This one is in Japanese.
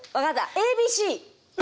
ＡＢＣ。